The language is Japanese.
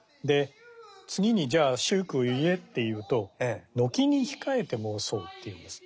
次に「じゃあ秀句を言え」って言うと「軒にひかえて申そう」って言うんです。